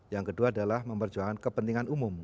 yang kedua adalah memperjuangkan kepentingan umum